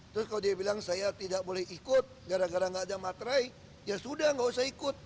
terus kalau dia bilang saya tidak boleh ikut gara gara gak ada materai ya sudah nggak usah ikut